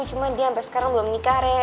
cuma dia sampe sekarang belum nikah re